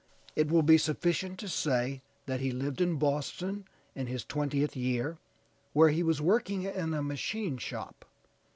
It will be sufficient to say that he lived in Boston in his twentieth year, where he was working in a machine shop.